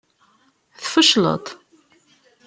Tfecleḍ.